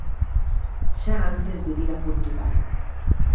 Xa antes de vir a Portugal.